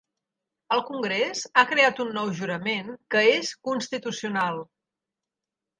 El Congrés ha creat un nou jurament que és constitucional.